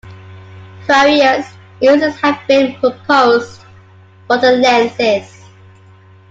Various uses have been proposed for the lenses.